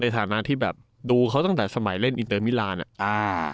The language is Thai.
ฐานะที่แบบดูเขาตั้งแต่สมัยเล่นอินเตอร์มิลานอ่ะอ่า